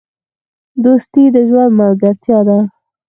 دوستي د ژوند ملګرتیا ده.